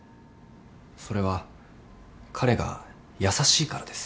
それは彼が優しいからです。